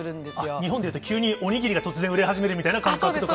日本でいうと急にお握りが突然売れ始めるみたいな感覚とか。